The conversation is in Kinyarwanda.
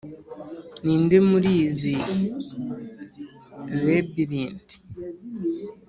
ninde muri izi labyrint,